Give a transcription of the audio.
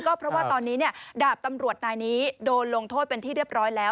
ก็เพราะว่าตอนนี้ดาบตำรวจนายนี้โดนลงโทษเป็นที่เรียบร้อยแล้ว